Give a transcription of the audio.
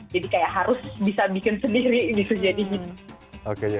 jadi kayak harus bisa bikin sendiri gitu jadi